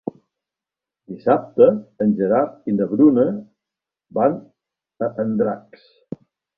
Dissabte en Gerard i na Bruna van a Andratx.